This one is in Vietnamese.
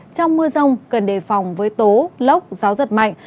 trong mưa rông cần đề phòng với tố lốc gió giật mạnh